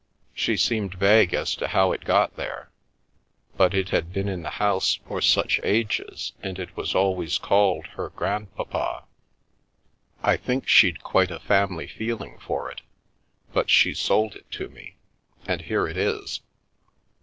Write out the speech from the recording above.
She seemed vague as to how it got there, but it had been in the house such ages it was always called her grandpapa. I think she'd quite a family feeling for it. But she sold it to me. And here it is."